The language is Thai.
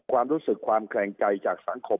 ความรู้สึกความแขลงใจจากสังคม